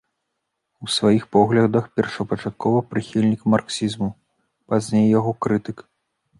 У сваіх поглядах першапачаткова прыхільнік марксізму, пазней яго крытык.